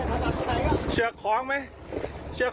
เหงาแล้วเว้ย